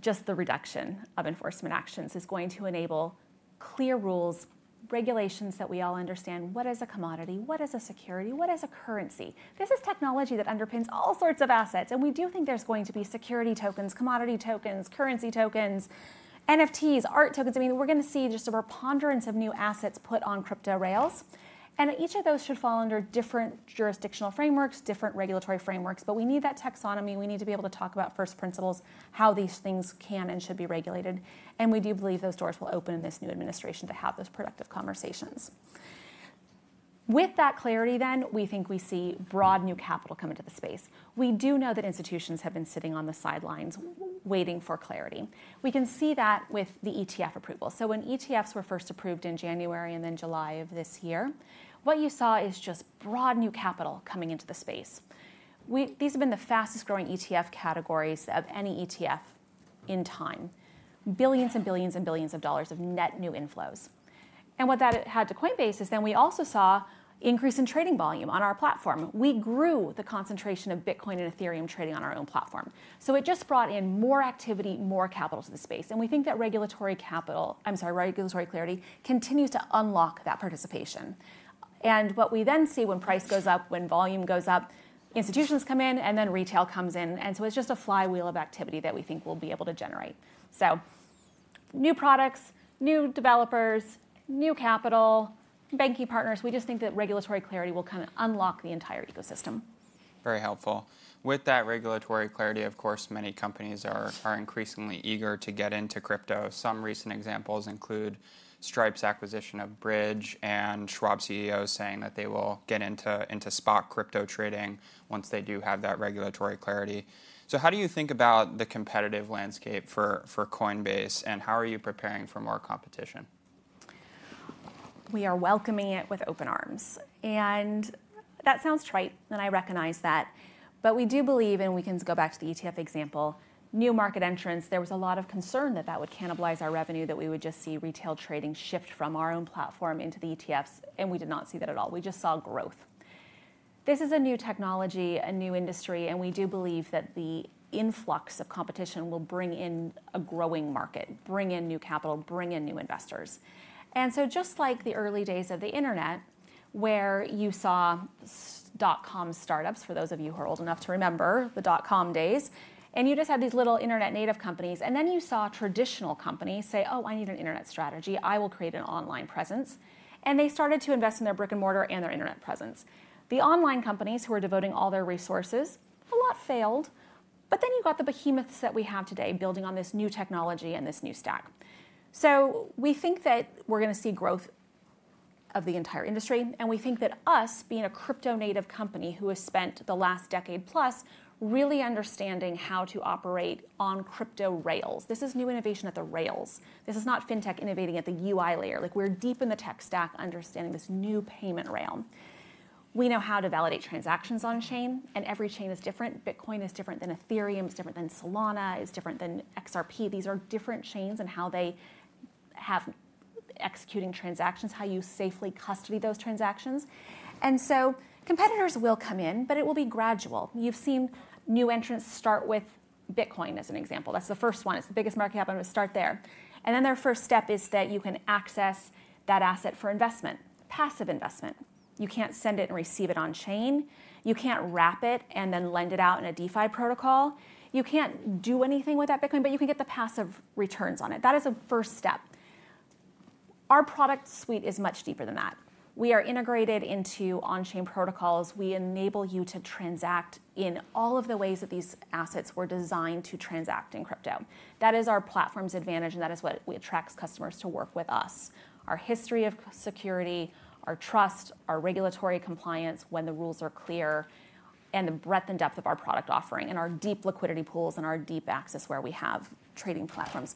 just the reduction of enforcement actions is going to enable clear rules, regulations that we all understand. What is a commodity? What is a security? What is a currency? This is technology that underpins all sorts of assets, and we do think there's going to be security tokens, commodity tokens, currency tokens, NFTs, art tokens. I mean, we're going to see just a preponderance of new assets put on crypto rails, and each of those should fall under different jurisdictional frameworks, different regulatory frameworks, but we need that taxonomy. We need to be able to talk about first principles, how these things can and should be regulated, and we do believe those doors will open in this new administration to have those productive conversations. With that clarity then, we think we see broad new capital come into the space. We do know that institutions have been sitting on the sidelines waiting for clarity. We can see that with the ETF approval so when ETFs were first approved in January and then July of this year, what you saw is just broad new capital coming into the space. These have been the fastest growing ETF categories of any ETF in time. Billions and billions and billions of dollars of net new inflows, and what that had to Coinbase is then we also saw increase in trading volume on our platform. We grew the concentration of Bitcoin and Ethereum trading on our own platform so it just brought in more activity, more capital to the space, and we think that regulatory capital, I'm sorry, regulatory clarity continues to unlock that participation. What we then see when price goes up, when volume goes up, institutions come in and then retail comes in. It's just a flywheel of activity that we think we'll be able to generate. New products, new developers, new capital, banking partners. We just think that regulatory clarity will kind of unlock the entire ecosystem. Very helpful. With that regulatory clarity, of course, many companies are increasingly eager to get into crypto. Some recent examples include Stripe's acquisition of Bridge and Schwab CEO's saying that they will get into spot crypto trading once they do have that regulatory clarity. So how do you think about the competitive landscape for Coinbase and how are you preparing for more competition? We are welcoming it with open arms. And that sounds trite, and I recognize that. But we do believe, and we can go back to the ETF example, new market entrants. There was a lot of concern that that would cannibalize our revenue, that we would just see retail trading shift from our own platform into the ETFs, and we did not see that at all. We just saw growth. This is a new technology, a new industry, and we do believe that the influx of competition will bring in a growing market, bring in new capital, bring in new investors. And so just like the early days of the internet, where you saw dot-com startups, for those of you who are old enough to remember the dot-com days, and you just had these little internet native companies, and then you saw traditional companies say, "Oh, I need an internet strategy. I will create an online presence." And they started to invest in their brick and mortar and their internet presence. The online companies who were devoting all their resources, a lot failed, but then you got the behemoths that we have today building on this new technology and this new stack. So we think that we're going to see growth of the entire industry, and we think that us being a crypto-native company who has spent the last decade plus really understanding how to operate on crypto rails. This is new innovation at the rails. This is not fintech innovating at the UI layer. Like we're deep in the tech stack understanding this new payment rail. We know how to validate transactions on-chain, and every chain is different. Bitcoin is different than Ethereum, is different than Solana, is different than XRP. These are different chains and how they have executing transactions, how you safely custody those transactions. And so competitors will come in, but it will be gradual. You've seen new entrants start with Bitcoin as an example. That's the first one. It's the biggest market. I'm going to start there. And then their first step is that you can access that asset for investment, passive investment. You can't send it and receive it on-chain. You can't wrap it and then lend it out in a DeFi protocol. You can't do anything with that Bitcoin, but you can get the passive returns on it. That is a first step. Our product suite is much deeper than that. We are integrated into on-chain protocols. We enable you to transact in all of the ways that these assets were designed to transact in crypto. That is our platform's advantage, and that is what attracts customers to work with us. Our history of security, our trust, our regulatory compliance when the rules are clear, and the breadth and depth of our product offering and our deep liquidity pools and our deep access where we have trading platforms.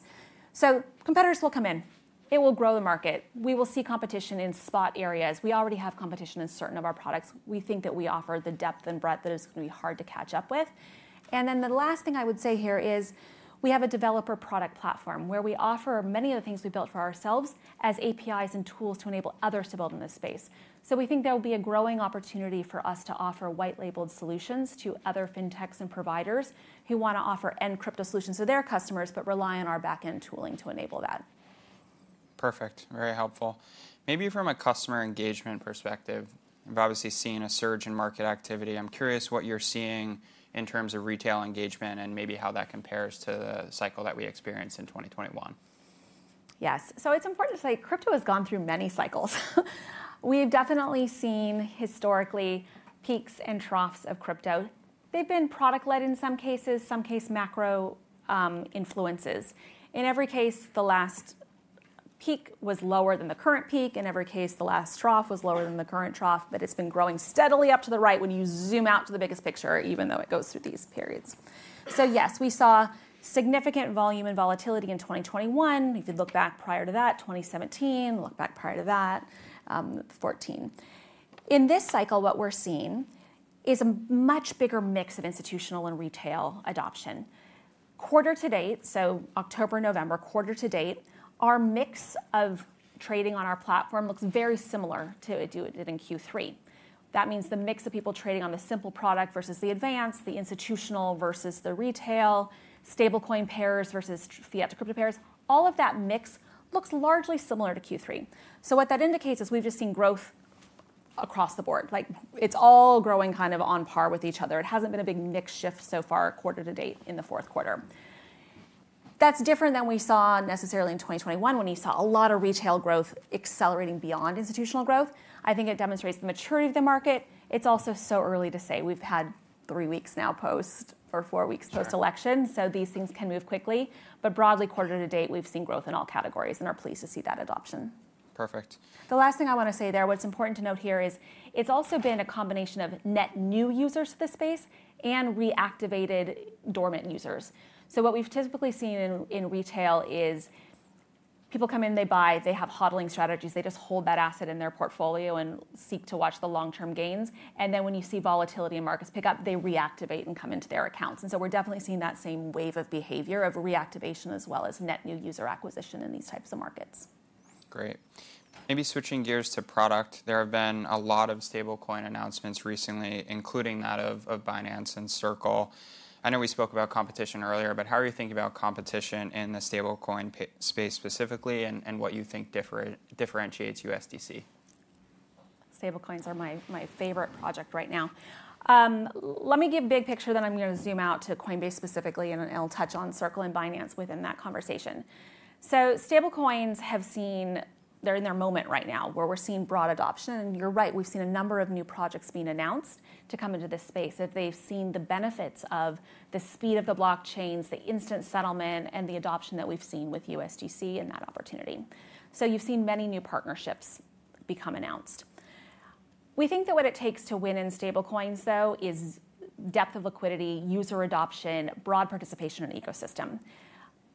So competitors will come in. It will grow the market. We will see competition in spot areas. We already have competition in certain of our products. We think that we offer the depth and breadth that is going to be hard to catch up with. And then the last thing I would say here is we have a developer product platform where we offer many of the things we built for ourselves as APIs and tools to enable others to build in this space. So we think there will be a growing opportunity for us to offer white-labeled solutions to other fintechs and providers who want to offer end-to-end crypto solutions to their customers, but rely on our back-end tooling to enable that. Perfect. Very helpful. Maybe from a customer engagement perspective, we've obviously seen a surge in market activity. I'm curious what you're seeing in terms of retail engagement and maybe how that compares to the cycle that we experienced in 2021? Yes. So it's important to say crypto has gone through many cycles. We've definitely seen historically peaks and troughs of crypto. They've been product-led in some cases, some case macro influences. In every case, the last peak was lower than the current peak. In every case, the last trough was lower than the current trough, but it's been growing steadily up to the right when you zoom out to the biggest picture, even though it goes through these periods. So yes, we saw significant volume and volatility in 2021. If you look back prior to that, 2017, look back prior to that, 2014. In this cycle, what we're seeing is a much bigger mix of institutional and retail adoption. Quarter to date, so October, November, quarter to date, our mix of trading on our platform looks very similar to it did in Q3. That means the mix of people trading on the simple product versus the Advanced, the institutional versus the retail, stablecoin pairs versus fiat to crypto pairs. All of that mix looks largely similar to Q3. So what that indicates is we've just seen growth across the board. Like it's all growing kind of on par with each other. It hasn't been a big mix shift so far quarter to date in the fourth quarter. That's different than we saw necessarily in 2021 when we saw a lot of retail growth accelerating beyond institutional growth. I think it demonstrates the maturity of the market. It's also so early to say. We've had three weeks now post or four weeks post-election. So these things can move quickly. But broadly, quarter to date, we've seen growth in all categories and are pleased to see that adoption. Perfect. The last thing I want to say there, what's important to note here is it's also been a combination of net new users to the space and reactivated dormant users, so what we've typically seen in retail is people come in, they buy, they have hodling strategies, they just hold that asset in their portfolio and seek to watch the long-term gains, and then when you see volatility in markets pick up, they reactivate and come into their accounts, and so we're definitely seeing that same wave of behavior of reactivation as well as net new user acquisition in these types of markets. Great. Maybe switching gears to product. There have been a lot of stablecoin announcements recently, including that of Binance and Circle. I know we spoke about competition earlier, but how are you thinking about competition in the stablecoin space specifically and what you think differentiates USDC? Stablecoins are my favorite project right now. Let me give a big picture then I'm going to zoom out to Coinbase specifically and then I'll touch on Circle and Binance within that conversation, so stablecoins have seen. They're in their moment right now, where we're seeing broad adoption, and you're right, we've seen a number of new projects being announced to come into this space. They've seen the benefits of the speed of the blockchains, the instant settlement and the adoption that we've seen with USDC and that opportunity, so you've seen many new partnerships become announced. We think that what it takes to win in stablecoins though is depth of liquidity, user adoption, broad participation in the ecosystem.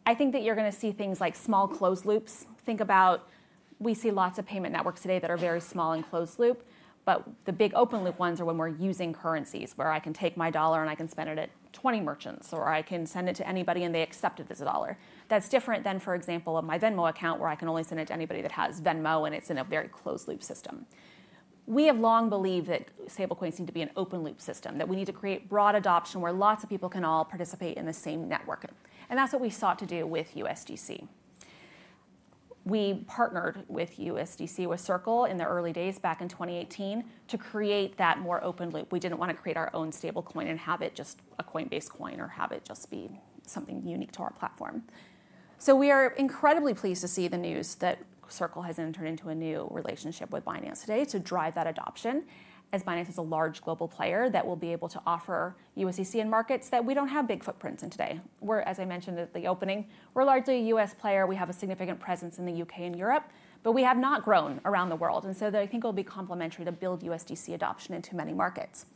I think that you're going to see things like small closed loops. Think about, we see lots of payment networks today that are very small and closed loop, but the big open loop ones are when we're using currencies where I can take my dollar and I can spend it at 20 merchants or I can send it to anybody and they accept it as a dollar. That's different than, for example, my Venmo account where I can only send it to anybody that has Venmo and it's in a very closed loop system. We have long believed that stablecoins seem to be an open loop system, that we need to create broad adoption where lots of people can all participate in the same network, and that's what we sought to do with USDC. We partnered with Circle in the early days back in 2018 to create that more open loop. We didn't want to create our own stablecoin and have it just a Coinbase coin or have it just be something unique to our platform. So we are incredibly pleased to see the news that Circle has entered into a new relationship with Binance today to drive that adoption as Binance is a large global player that will be able to offer USDC in markets that we don't have big footprints in today. We're, as I mentioned at the opening, we're largely a U.S. player. We have a significant presence in the U.K. and Europe, but we have not grown around the world, and so I think it'll be complementary to build USDC adoption into many markets.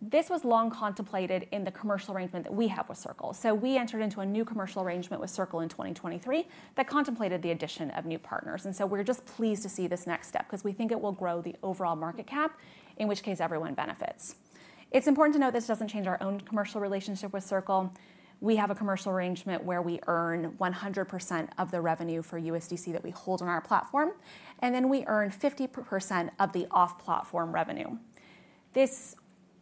This was long contemplated in the commercial arrangement that we have with Circle, so we entered into a new commercial arrangement with Circle in 2023 that contemplated the addition of new partners. And so we're just pleased to see this next step because we think it will grow the overall market cap, in which case everyone benefits. It's important to note this doesn't change our own commercial relationship with Circle. We have a commercial arrangement where we earn 100% of the revenue for USDC that we hold on our platform, and then we earn 50% of the off-platform revenue.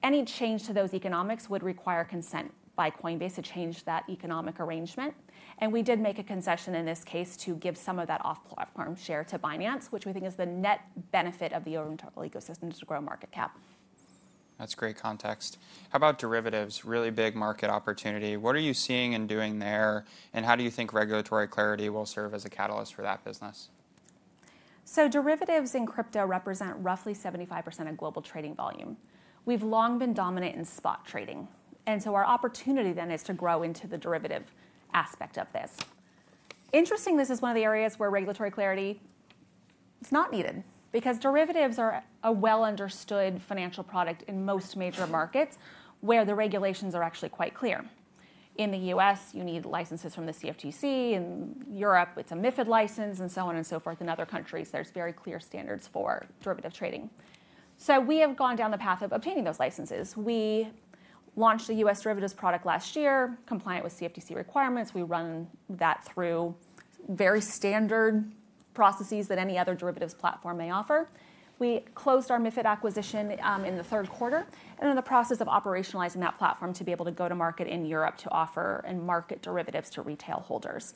Any change to those economics would require consent by Coinbase to change that economic arrangement. And we did make a concession in this case to give some of that off-platform share to Binance, which we think is the net benefit of the overall ecosystem to grow market cap. That's great context. How about derivatives? Really big market opportunity. What are you seeing and doing there? And how do you think regulatory clarity will serve as a catalyst for that business? So derivatives in crypto represent roughly 75% of global trading volume. We've long been dominant in spot trading. And so our opportunity then is to grow into the derivative aspect of this. Interesting, this is one of the areas where regulatory clarity is not needed because derivatives are a well-understood financial product in most major markets where the regulations are actually quite clear. In the U.S., you need licenses from the CFTC. In Europe, it's a MiFID license and so on and so forth. In other countries, there's very clear standards for derivative trading. So we have gone down the path of obtaining those licenses. We launched the U.S. derivatives product last year, compliant with CFTC requirements. We run that through very standard processes that any other derivatives platform may offer. We closed our MiFID acquisition in the third quarter and are in the process of operationalizing that platform to be able to go to market in Europe to offer and market derivatives to retail holders,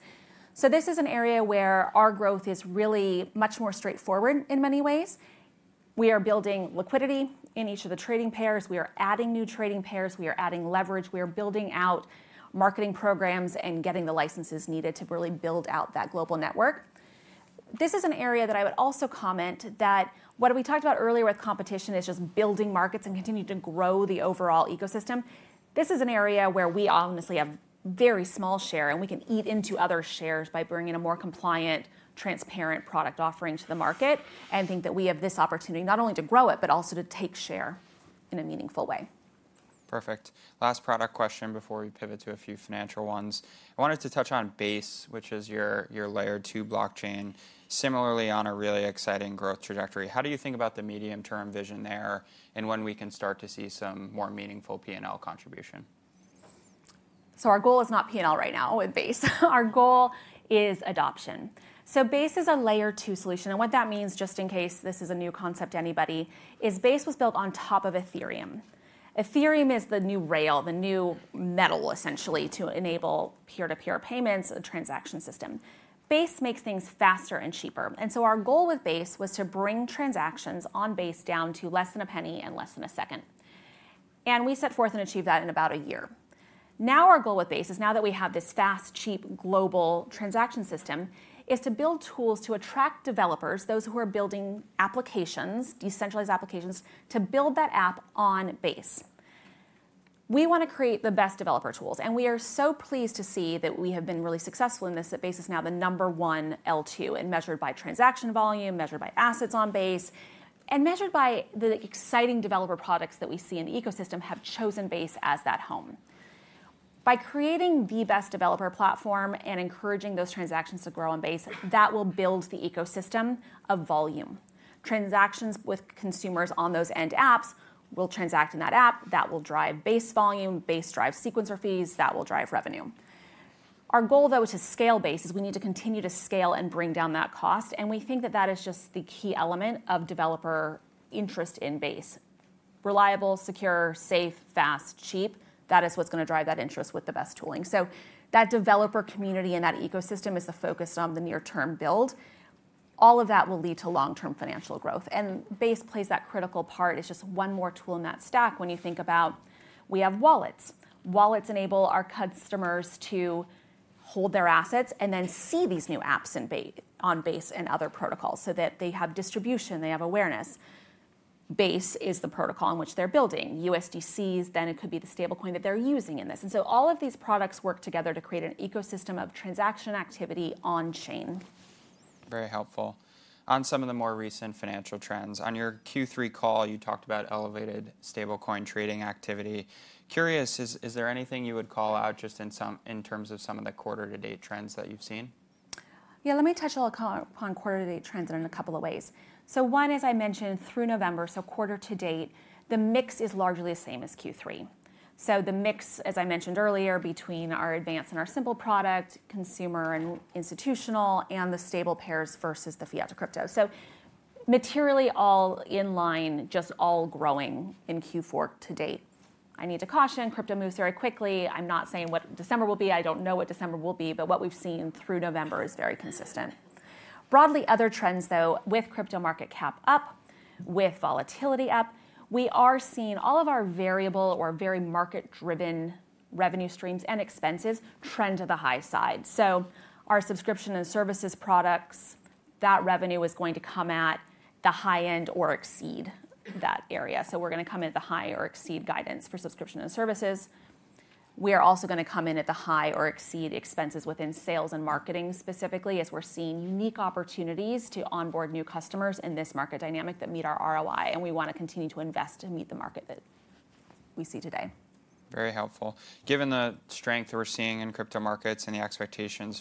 so this is an area where our growth is really much more straightforward in many ways. We are building liquidity in each of the trading pairs. We are adding new trading pairs. We are adding leverage. We are building out marketing programs and getting the licenses needed to really build out that global network. This is an area that I would also comment that what we talked about earlier with competition is just building markets and continuing to grow the overall ecosystem. This is an area where we obviously have a very small share and we can eat into other shares by bringing a more compliant, transparent product offering to the market and think that we have this opportunity not only to grow it, but also to take share in a meaningful way. Perfect. Last product question before we pivot to a few financial ones. I wanted to touch on Base, which is your Layer 2 blockchain. Similarly, on a really exciting growth trajectory, how do you think about the medium-term vision there and when we can start to see some more meaningful P&L contribution? Our goal is not P&L right now with Base. Our goal is adoption. Base is a Layer 2 solution. What that means, just in case this is a new concept to anybody, is Base was built on top of Ethereum. Ethereum is the new rail, the new metal essentially to enable peer-to-peer payments and transaction system. Base makes things faster and cheaper. Our goal with Base was to bring transactions on Base down to less than a penny and less than a second. We set forth and achieved that in about a year. Now our goal with Base is, now that we have this fast, cheap global transaction system, to build tools to attract developers, those who are building applications, decentralized applications, to build that app on Base. We want to create the best developer tools. We are so pleased to see that we have been really successful in this, that Base is now the number one L2, measured by transaction volume, measured by assets on Base, and measured by the exciting developer products that we see in the ecosystem have chosen Base as that home. By creating the best developer platform and encouraging those transactions to grow on Base, that will build the ecosystem of volume. Transactions with consumers on those end apps will transact in that app. That will drive Base volume. Base drives sequencer fees. That will drive revenue. Our goal though is to scale Base as we need to continue to scale and bring down that cost. We think that that is just the key element of developer interest in Base. Reliable, secure, safe, fast, cheap. That is what's going to drive that interest with the best tooling. So that developer community and that ecosystem is the focus on the near-term build. All of that will lead to long-term financial growth, and Base plays that critical part. It's just one more tool in that stack when you think about, we have wallets. Wallets enable our customers to hold their assets and then see these new apps on Base and other protocols so that they have distribution. They have awareness. Base is the protocol in which they're building. USDC, then it could be the stablecoin that they're using in this, and so all of these products work together to create an ecosystem of transaction activity on-chain. Very helpful. On some of the more recent financial trends, on your Q3 call, you talked about elevated stablecoin trading activity. Curious, is there anything you would call out just in terms of some of the quarter-to-date trends that you've seen? Yeah, let me touch on quarter-to-date trends in a couple of ways. So one, as I mentioned, through November, so quarter to date, the mix is largely the same as Q3. So the mix, as I mentioned earlier, between our Advanced and our simple product, consumer and institutional, and the stable pairs versus the fiat to crypto. So materially all in line, just all growing in Q4 to date. I need to caution, crypto moves very quickly. I'm not saying what December will be. I don't know what December will be, but what we've seen through November is very consistent. Broadly, other trends though, with crypto market cap up, with volatility up, we are seeing all of our variable or very market-driven revenue streams and expenses trend to the high side. subscription and services products, that revenue is going to come at the high end or exceed that area. So we're going to come into the high or exceed subscription and services. We are also going to come in at the high or exceed sales and marketing specifically as we're seeing unique opportunities to onboard new customers in this market dynamic that meet our ROI. And we want to continue to invest to meet the market that we see today. Very helpful. Given the strength we're seeing in crypto markets and the expectations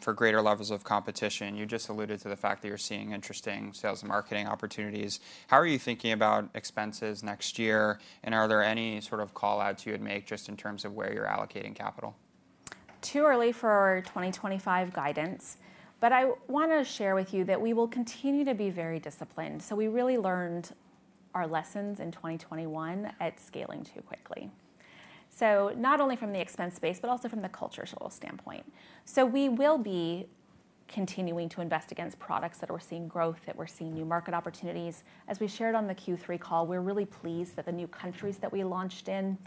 for greater levels of competition, you just alluded to the fact that you're sales and marketing opportunities. How are you thinking about expenses next year? And are there any sort of callouts you would make just in terms of where you're allocating capital? too early for our 2025 guidance, but I want to share with you that we will continue to be very disciplined. We really learned our lessons in 2021 at scaling too quickly. Not only from the expense space, but also from the culture standpoint. We will be continuing to invest against products that we're seeing growth, that we're seeing new market opportunities. As we shared on the Q3 call, we're really pleased that the new countries that we launched in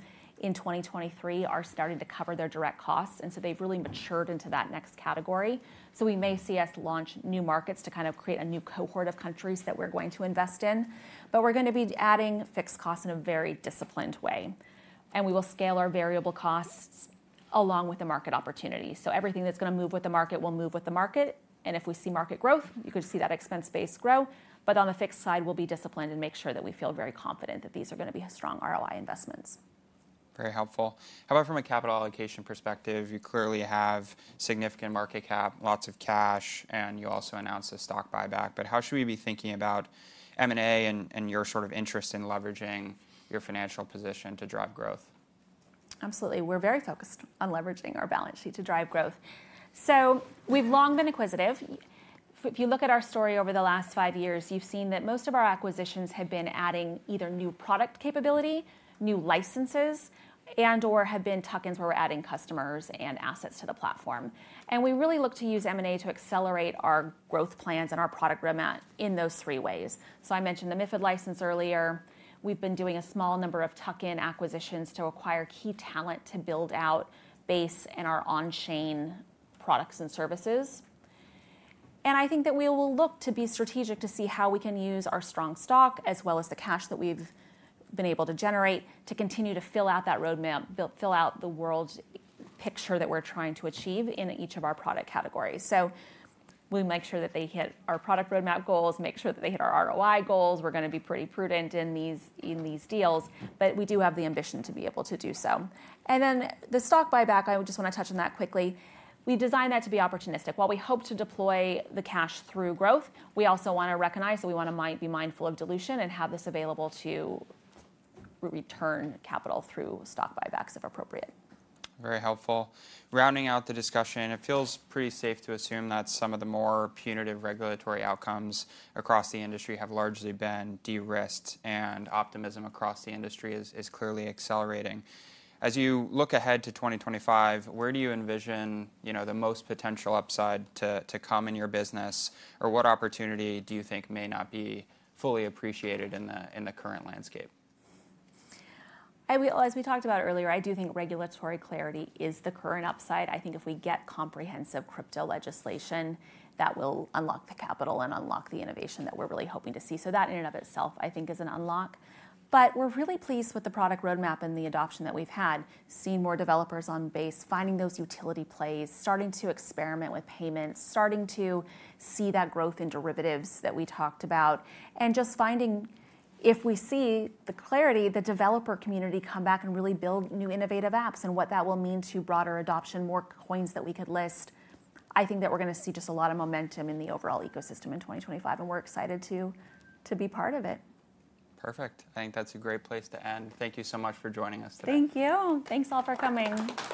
2023 are starting to cover their direct costs. They've really matured into that next category. We may see us launch new markets to kind of create a new cohort of countries that we're going to invest in, but we're going to be adding fixed costs in a very disciplined way, and we will scale our variable costs along with the market opportunity. So everything that's going to move with the market will move with the market. And if we see market growth, you could see that expense base grow. But on the fixed side, we'll be disciplined and make sure that we feel very confident that these are going to be strong ROI investments. Very helpful. How about from a capital allocation perspective? You clearly have significant market cap, lots of cash, and you also announced a stock buyback. But how should we be thinking about M&A and your sort of interest in leveraging your financial position to drive growth? Absolutely. We're very focused on leveraging our balance sheet to drive growth. So we've long been acquisitive. If you look at our story over the last five years, you've seen that most of our acquisitions have been adding either new product capability, new licenses, and/or have been tuck-ins where we're adding customers and assets to the platform. And we really look to use M&A to accelerate our growth plans and our product roadmap in those three ways. So I mentioned the MiFID license earlier. We've been doing a small number of tuck-in acquisitions to acquire key talent to build out Base and our on-chain products and services. And I think that we will look to be strategic to see how we can use our strong stock as well as the cash that we've been able to generate to continue to fill out that roadmap, fill out the world picture that we're trying to achieve in each of our product categories. So we make sure that they hit our product roadmap goals, make sure that they hit our ROI goals. We're going to be pretty prudent in these deals, but we do have the ambition to be able to do so. And then the stock buyback, I just want to touch on that quickly. We designed that to be opportunistic. While we hope to deploy the cash through growth, we also want to recognize, so we want to be mindful of dilution and have this available to return capital through stock buybacks if appropriate. Very helpful. Rounding out the discussion, it feels pretty safe to assume that some of the more punitive regulatory outcomes across the industry have largely been de-risked and optimism across the industry is clearly accelerating. As you look ahead to 2025, where do you envision the most potential upside to come in your business, or what opportunity do you think may not be fully appreciated in the current landscape? As we talked about earlier, I do think regulatory clarity is the current upside. I think if we get comprehensive crypto legislation, that will unlock the capital and unlock the innovation that we're really hoping to see. So that in and of itself, I think is an unlock. But we're really pleased with the product roadmap and the adoption that we've had, seeing more developers on Base, finding those utility plays, starting to experiment with payments, starting to see that growth in derivatives that we talked about, and just finding if we see the clarity, the developer community come back and really build new innovative apps and what that will mean to broader adoption, more coins that we could list. I think that we're going to see just a lot of momentum in the overall ecosystem in 2025, and we're excited to be part of it. Perfect. I think that's a great place to end. Thank you so much for joining us today. Thank you. Thanks all for coming.